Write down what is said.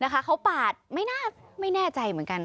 นะคะเขาปาดไม่รู้ไม่แน่ใจเหมือนกัน